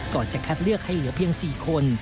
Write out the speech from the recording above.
จะคัดเลือกให้เหลือเพียง๔คน